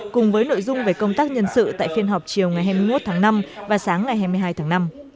cùng với nội dung về công tác nhân sự tại phiên họp chiều ngày hai mươi một tháng năm và sáng ngày hai mươi hai tháng năm